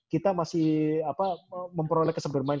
kita masih memperoleh kesempatan bermain